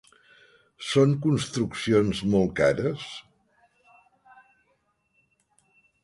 Són construccions molt cares?